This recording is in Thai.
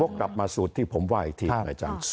พกกลับมาสูตรที่ผมว่าอีกที